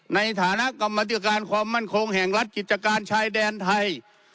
ในฐานะกรรมธิการความมั่นคงแห่งรัฐกิจการชายแดนไทย